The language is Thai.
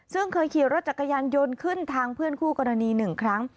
ซึ่งเคยขี่รถจักรยานยนต์ขึ้นทางเพื่อนคู่กรณี๑ครั้ง